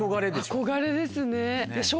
憧れですね。